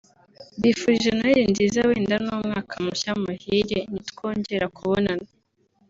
mbifurije noheli nziza wenda n’umwaka mushya muhire nitwongera kubonana